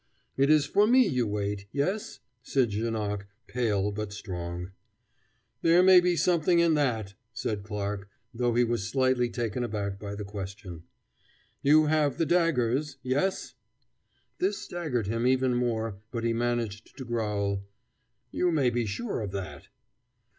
"It is for me you wait yes?" said Janoc, pale, but strong. "There may be something in that," said Clarke, though he was slightly taken aback by the question. "You have the daggers yes?" This staggered him even more, but he managed to growl: "You may be sure of that."